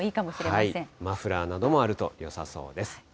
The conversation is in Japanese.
マフラーなどもあるとよさそうです。